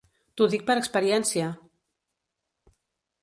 T'ho dic per experiència!